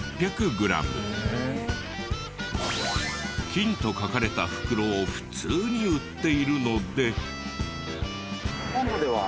斤と書かれた袋を普通に売っているので。